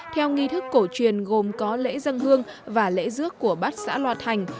theo nghi thức cổ truyền gồm có lễ dân hương và lễ rước của bát xã loa thành